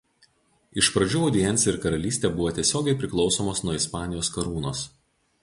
Iš pradžių audiencija ir karalystė buvo tiesiogiai priklausomos nuo Ispanijos karūnos.